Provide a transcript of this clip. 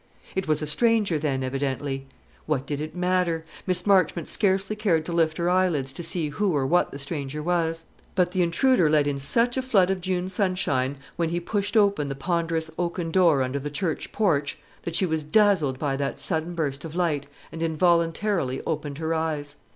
It was a stranger, then, evidently. What did it matter? Miss Marchmont scarcely cared to lift her eyelids to see who or what the stranger was; but the intruder let in such a flood of June sunshine when he pushed open the ponderous oaken door under the church porch, that she was dazzled by that sudden burst of light, and involuntarily opened her eyes.